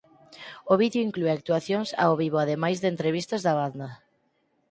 O vídeo inclúe actuacións ao vivo ademais de entrevistas da banda.